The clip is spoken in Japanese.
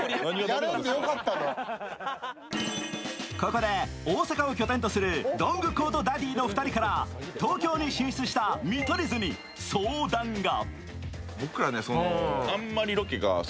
ここで、大阪を拠点とするロングコートダディの２人から東京に進出した見取り図に相談が。